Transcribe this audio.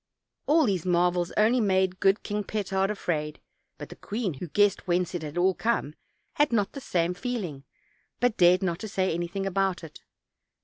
All these marvels only made good King Petard afraid; but the queen, who guessed whence it had OLD, OLD FAIRY TALES. 265 all come, had not the same feeling, but dared not say anything about it.